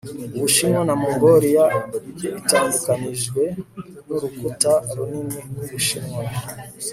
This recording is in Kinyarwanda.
ubushinwa na mongoliya bitandukanijwe n'urukuta runini rw'ubushinwa